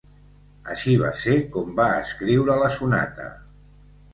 Així va ser com va escriure la Sonata.